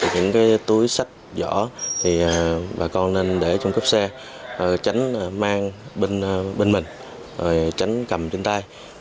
những túi sách vỏ bà con nên để trong cấp xe tránh mang bên mình tránh cầm trên tay